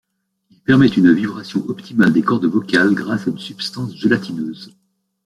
Il permet une vibration optimale des cordes vocales grâce à une substance gélatineuse.